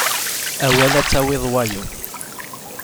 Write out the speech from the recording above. Awal ittawi-d wayeḍ.